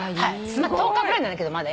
１０日ぐらいなんだけどまだ。